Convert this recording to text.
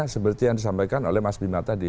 seperti yang disampaikan oleh mas bima tadi